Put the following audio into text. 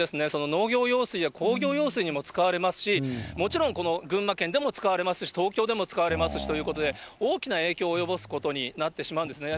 農業用水や工業用水にも使われますし、もちろんこの群馬県でも使われますし、東京でも使われますしということで、大きな影響を及ぼすことになってしまうんですね。